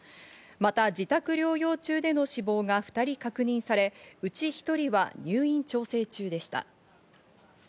また自宅療養中での死亡が２人確認され、うち１人は入院調整中でした。